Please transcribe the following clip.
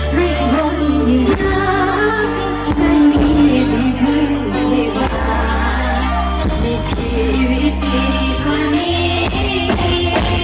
ด้วยเองอย่างเบียดต้านน้อย